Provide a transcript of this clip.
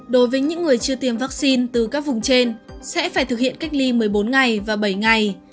đối với những người chưa tiêm vaccine từ các vùng trên sẽ phải thực hiện cách ly một mươi bốn ngày và bảy ngày